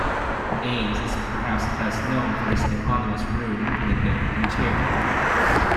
Ames is perhaps best known for his eponymous room, window, and chair.